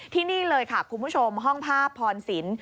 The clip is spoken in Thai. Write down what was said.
ที่นี่เลยค่ะคุณผู้ชมห้องภาพพรสิน